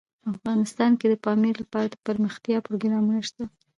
افغانستان کې د پامیر لپاره دپرمختیا پروګرامونه شته.